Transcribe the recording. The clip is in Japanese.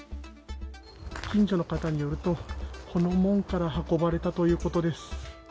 近所の方によるとこの門から運ばれたということです。